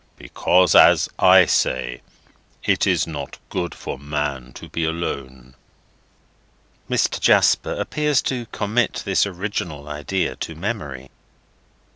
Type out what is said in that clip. Because, as I say, it is not good for man to be alone." Mr. Jasper appears to commit this original idea to memory.